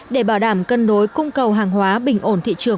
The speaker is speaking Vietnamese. để bảo đảm cân đối cung cầu hàng hóa bình ổn